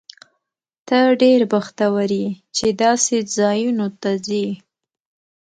ته ډېر بختور یې، چې داسې ځایونو ته ځې.